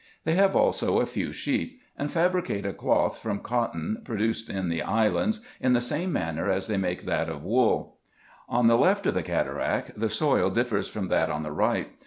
They have also a few sheep ; and fabricate a cloth from cotton pro duced in the islands, in the same manner as they make that of wool. On the left of the cataract the soil differs from that on the right.